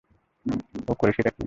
ও করেছেটা কী?